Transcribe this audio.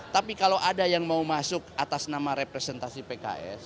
tapi kalau ada yang mau masuk atas nama representasi pks